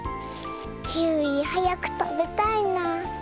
キウイはやくたべたいな。